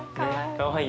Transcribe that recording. かわいい。